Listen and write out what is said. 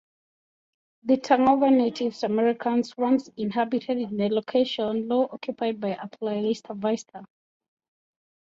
The Tongva Native Americans once inhabited the location now occupied by Playa Vista.